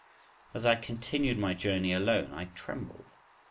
As I continued my journey alone, I trembled.